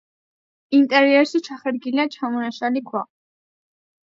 ინტერიერში ჩახერგილია ჩამონაშალი ქვა.